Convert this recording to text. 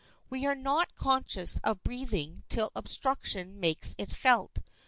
We are not conscious of breathing till obstruction makes it felt.